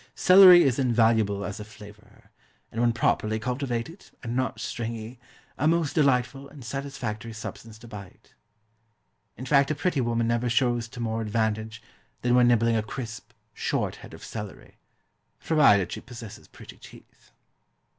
Celery is invaluable as a flavourer, and when properly cultivated, and not stringy, a most delightful and satisfactory substance to bite. In fact a pretty woman never shows to more advantage than when nibbling a crisp, "short" head of celery provided she possess pretty teeth.